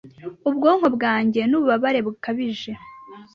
ubwonko bwanjye Nububabare bukabije